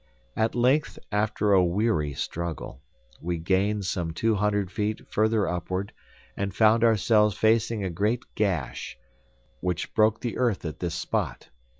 At length after a weary struggle, we gained some two hundred feet further upward and found ourselves facing a great gash, which broke the earth at this spot.